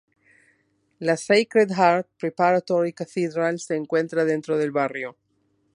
La "Sacred Heart Preparatory Cathedral" se encuentra dentro del barrio.